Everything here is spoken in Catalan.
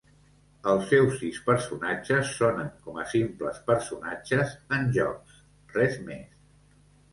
Els seus sis personatges sonen com a simples personatges en jocs, res més.